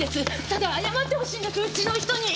ただ謝ってほしいんですうちの人に。